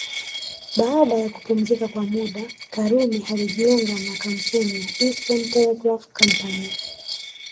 Baada ya kupumzika kwa muda Karume alijiunga na kampuni ya Eastern Telegraph Company